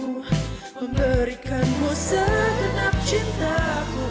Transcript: memberikanmu segenap cintaku